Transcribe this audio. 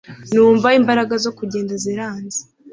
numva imbara zo kugenda ziranze